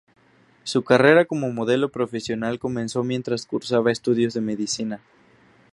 Su carrera como modelo profesional comenzó mientras cursaba estudios de medicina.